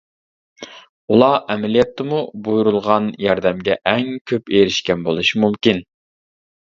ئۇلار ئەمەلىيەتتىمۇ بۇيرۇلغان ياردەمگە ئەڭ كۆپ ئېرىشكەن بولۇشى مۇمكىن.